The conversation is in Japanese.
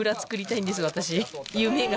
夢が。